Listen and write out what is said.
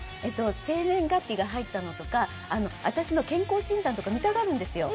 生年月日が入ったのとか私の健康診断とか見たがるんですよ。